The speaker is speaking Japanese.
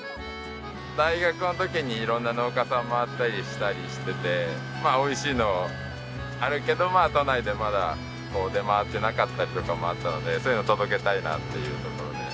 大学の時に色んな農家さん回ったりしたりしてておいしいのあるけど都内でまだ出回ってなかったりとかもあったのでそういうの届けたいなっていうところで。